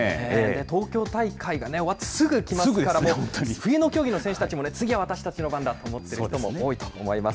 東京大会が終わってすぐきますから、冬の競技の選手たちも次は私たちの番だと思っている人たちも多いと思います。